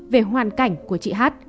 về hoàn cảnh của chị h